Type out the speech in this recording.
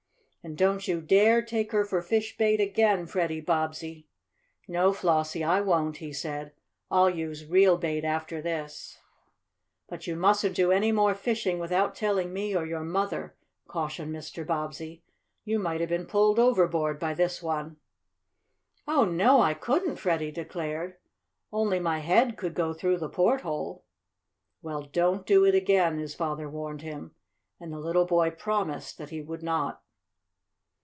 "And don't you dare take her for fish bait again, Freddie Bobbsey." "No, Flossie, I won't," he said. "I'll use real bait after this." "But you mustn't do any more fishing without telling me or your mother," cautioned Mr. Bobbsey. "You might have been pulled overboard by this one." "Oh, no, I couldn't," Freddie declared. "Only my head could go through the porthole." "Well, don't do it again," his father warned him, and the little boy promised that he would not.